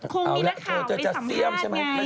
ก็คงมีนักข่าวไม่สำหรับไง